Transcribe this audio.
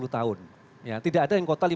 dua puluh tahun tidak ada yang kota